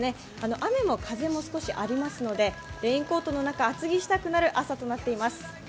雨も風も少しありますのでレインコートの中、厚着したくなる朝となっています。